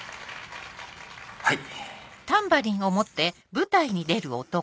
はい。